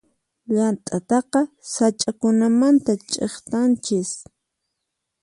Llant'ataqa sach'akunamanta ch'iktanchis.